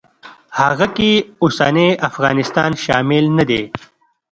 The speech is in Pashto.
هغه کې اوسنی افغانستان شامل نه دی.